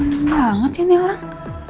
kesel banget ya nih orang